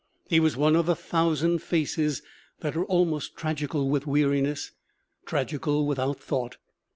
His was one of the thousand faces that are almost tragical with weariness, tragical without thought.